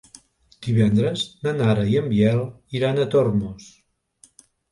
Divendres na Nara i en Biel iran a Tormos.